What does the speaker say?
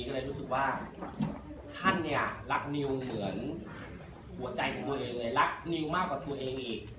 ก็เลยรู้สึกว่าท่านเนี่ยรักนิวเหมือนหัวใจของตัวเองเลยรักนิวมากกว่าตัวเองอีก